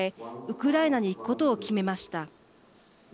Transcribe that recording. ウクライナに行くことを決めました。